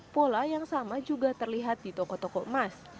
pola yang sama juga terlihat di toko toko emas